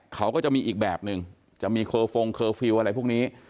เขาก็จะมีอีกแบบนึงจะมีเคอร์ฟงเคอร์ฟิลล์อะไรพวกนี้